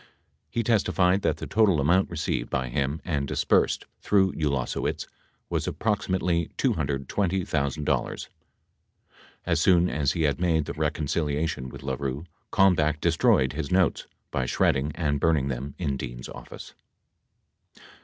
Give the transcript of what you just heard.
He testified that the total amount received by him and disbursed through Ulasewicz was approximately $220,000. As soon as he had made the reconciliation with LaRue, Kalmbach destroyed his notes by shredding and burning them in Dean's office.